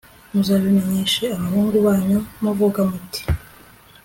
muzabimenyeshe abahungu banyu muvuga muti